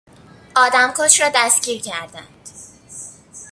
آدمکش را دستگیر کردند.